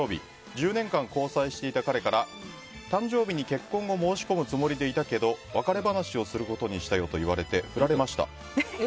１０年間交際していた彼から誕生日に結婚を申し込むつもりでいたけど別れ話をすることにしたよと言われて振られました。